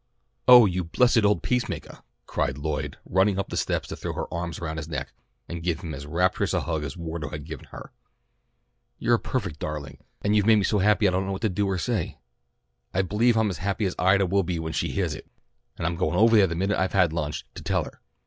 "Oh, you blessed old peace makah!" cried Lloyd running up the steps to throw her arms around his neck and give him as rapturous a hug as Wardo had given her. "You're a perfect darling, and you've made me so happy I don't know what to do or say. I believe I'm as happy as Ida will be when she heahs it, and I'm going ovah there the minute I've had lunch, to tell her.